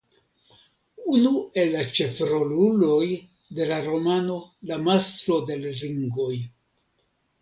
Unu el la ĉefroluloj de la romano "La Mastro de l' Ringoj".